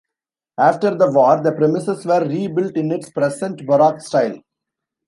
After the war the premises were rebuilt in its present Baroque style.